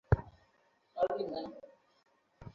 তিনি শামেলির যুদ্ধে অংশগ্রহণ করেছিলেন।